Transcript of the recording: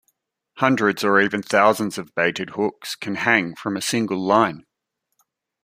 Hundreds or even thousands of baited hooks can hang from a single line.